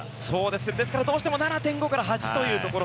ですからどうしても７．５から８というところ。